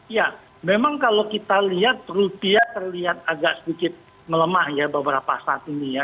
ya memang kalau kita lihat rupiah terlihat agak sedikit melemah ya beberapa saat ini ya